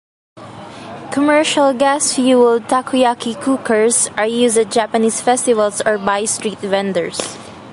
Commercial gas-fueled takoyaki cookers are used at Japanese festivals or by street vendors.